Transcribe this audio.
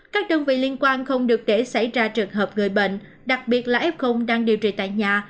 các đơn vị liên quan không được để xảy ra trường hợp người bệnh đặc biệt là f đang điều trị tại nhà